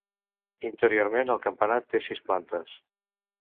Interiorment, el campanar té sis plantes.